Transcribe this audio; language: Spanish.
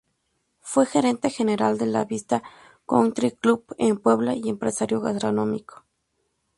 Fue Gerente General de La Vista Country Club en Puebla y empresario gastronómico.